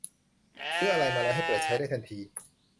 ซื้ออะไรมาแล้วให้เปิดใช้ได้ทันที